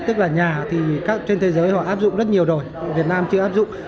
tức là nhà thì trên thế giới họ áp dụng rất nhiều rồi việt nam chưa áp dụng